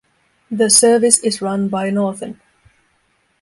The service is run by Northern.